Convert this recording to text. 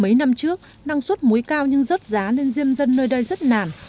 mấy năm trước năng suất muối cao nhưng rất giá nên diêm dân nơi đây rất nản